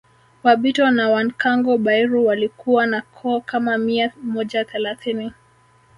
Wabito na Wankango Bairu walikuwa na koo kama mia moja thelathini